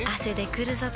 くるぞ？